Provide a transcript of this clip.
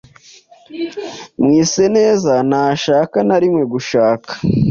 Mwiseneza ntashaka na rimwe gushaka.